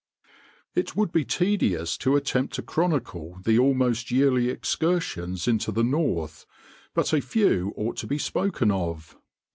It would be tedious to attempt to chronicle the almost yearly excursions into the north, but a few ought to be spoken of.